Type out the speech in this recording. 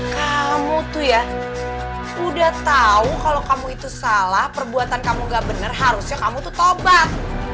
kamu tuh ya udah tahu kalau kamu itu salah perbuatan kamu gak bener harusnya kamu tuh tobat